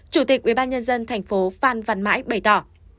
chủ tịch ubnd tp hcm phan văn mãi bày tỏ